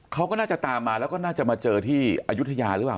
เขาก็น่าจะตามมาแล้วก็น่าจะมาเจอที่อายุทยาหรือเปล่า